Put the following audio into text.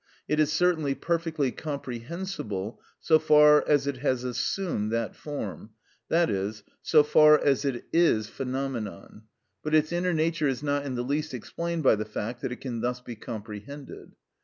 It is certainly perfectly comprehensible so far as it has assumed that form, that is, so far as it is phenomenon, but its inner nature is not in the least explained by the fact that it can thus be comprehended.